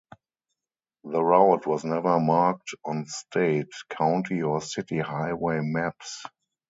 The route was never marked on state, county or city highway maps.